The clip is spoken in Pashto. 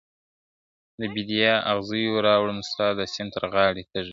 د بېدیا اغزیو راوړم ستا د سیند تر غاړي تږی ,